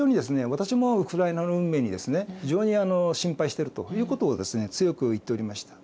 私もウクライナの運命に非常に心配してるということをですね強く言っておりました。